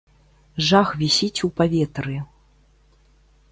Жах вісіць у паветры.